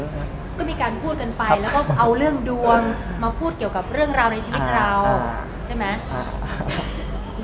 ก็มีการพูดกันไปแล้วก็เอาเรื่องดวงมาพูดเกี่ยวกับเรื่องราวในชีวิตเราใช่ไหม